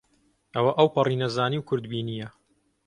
ئەوە ئەوپەڕی نەزانی و کورتبینییە